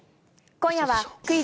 今夜は、クイズ！